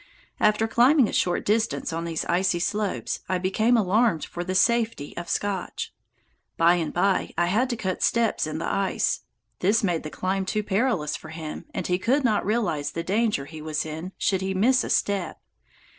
After climbing a short distance on these icy slopes, I became alarmed for the safety of Scotch. By and by I had to cut steps in the ice. This made the climb too perilous for him, as he could not realize the danger he was in should he miss a step.